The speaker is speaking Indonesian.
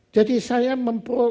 jadi saya mempro